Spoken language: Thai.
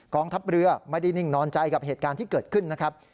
ทัพเรือไม่ได้นิ่งนอนใจกับเหตุการณ์ที่เกิดขึ้นนะครับ